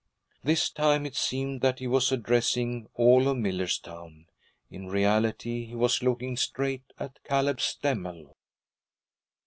This time it seemed that he was addressing all of Millerstown. In reality he was looking straight at Caleb Stemmel.